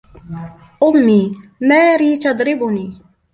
أُمي, ماري تضربني.